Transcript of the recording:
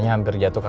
gak apa kok